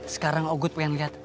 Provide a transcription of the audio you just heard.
sekarang ogut pengen liat